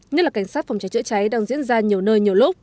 như là cảnh sát phòng cháy chữa cháy đang diễn ra nhiều nơi nhiều lúc